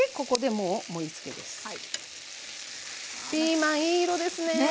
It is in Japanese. ピーマンいい色ですね。